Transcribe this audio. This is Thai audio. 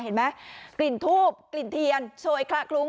เห็นไหมกลิ่นทูบกลิ่นเทียนโชยคละคลุ้ง